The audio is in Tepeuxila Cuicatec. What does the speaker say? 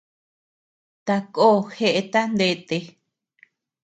Takó jeʼeta ndete.